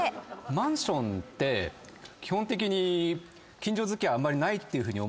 マンションって基本的に近所付き合いないっていうふうに思うじゃないですか。